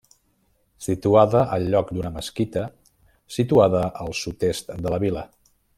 Situada al lloc d'una mesquita situada al sud-est de la vila.